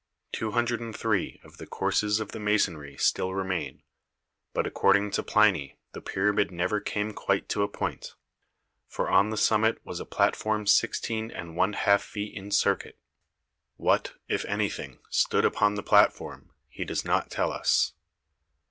Two hundred and three of the courses of the masonry still remain, but according to Pliny the pyramid never came quite to a point, for on the summit was a platform sixteen and one half feet in circuit. What, if anything, stood upon the platform, he does not tell us.